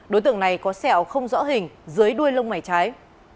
đối tượng này có sẹo không rõ hình dưới đuôi lông mày trái